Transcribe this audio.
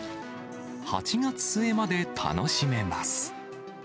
８月末まで楽しめます。